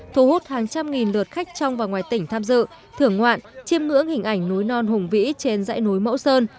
thu hút hàng trăm nghìn lượt khách trong và ngoài tỉnh tham dự thưởng ngoạn chiêm ngưỡng hình ảnh núi non hùng vĩ trên dãy núi mẫu sơn